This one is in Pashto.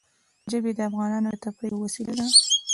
ژبې د افغانانو د تفریح یوه وسیله ده.